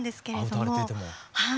あ歌われていても？はい。